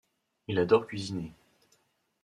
Il adore cuisiner.